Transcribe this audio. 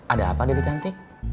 ada apa dede cantik